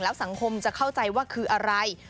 สังคมจะเข้าใจว่าคืออะไร